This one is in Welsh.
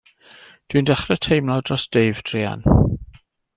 Dw i'n dechrau teimlo dros Dave druan.